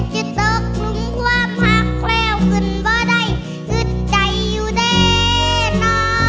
จะตกลุ่มความหักแคลวกันบ่ได้คืนใจอยู่ด้วยน้อ